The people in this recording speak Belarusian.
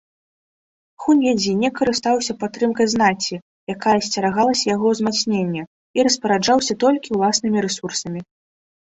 Хуньядзі не карыстаўся падтрымкай знаці, якая асцерагалася яго ўзмацнення, і распараджаўся толькі ўласнымі рэсурсамі.